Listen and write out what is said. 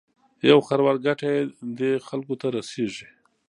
یو خروار ګټه یې دې خلکو ته رسېږي.